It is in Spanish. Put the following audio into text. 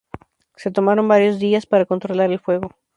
Se tomaron varios días para controlar el fuego.